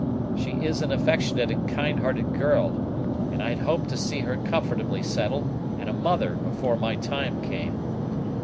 she is an affectionate and kind hearted girl, and I had hoped to see her comfortably settled, and a mother, before my time came.